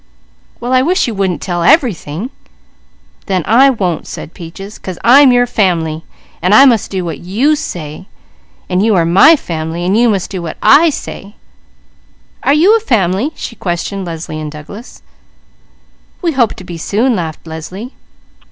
"Well I wish you wouldn't tell everything!" "Then I won't," said Peaches, "'cause I'm your fam'ly, an' I must do what you say; an' you are my fam'ly, an' you must do what I say. Are you a fam'ly?" she questioned Leslie and Douglas. "We hope to be soon," laughed Leslie.